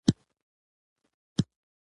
عدالت ټولنه ساتي.